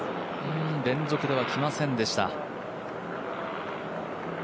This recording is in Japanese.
連続では来ませんでした。